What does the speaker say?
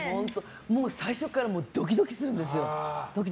最初からドキドキするんですよ。